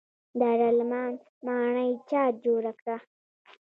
دارالامان ماڼۍ چا جوړه کړه؟